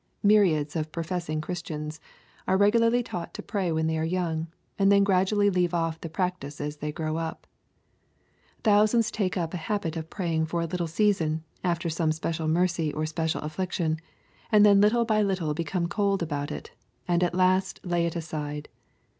Myriads of professing Christians are regu larly taught to pray when they are young, and then gradually leave off the practice as they grow up. Thou sands take up a habit of praying for a little season, after some special mercy or special affliction, and then little by little become cold about it, and at last lay it aside.